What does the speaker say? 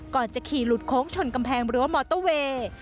ก่อนจะขี่หลุดโค้งชนกำแพงหรือว่ามอเตอร์เวย์